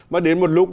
mà đến một lúc